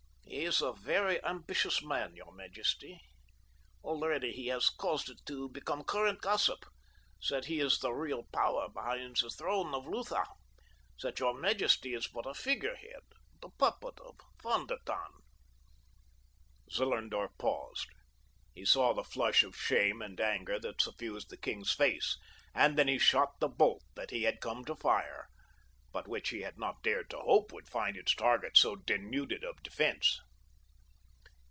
He is a very ambitious man, your majesty. Already he has caused it to become current gossip that he is the real power behind the throne of Lutha—that your majesty is but a figure head, the puppet of Von der Tann." Zellerndorf paused. He saw the flush of shame and anger that suffused the king's face, and then he shot the bolt that he had come to fire, but which he had not dared to hope would find its target so denuded of defense.